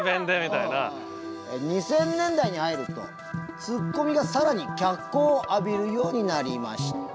２０００年代に入るとツッコミが更に脚光を浴びるようになりました。